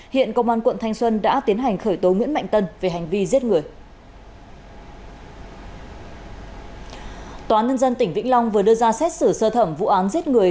tòa nhân dân tỉnh vĩnh long vừa đưa ra xét xử sơ thẩm vụ án giết người